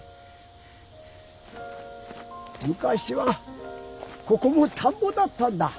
むかしはここもたんぼだったんだ。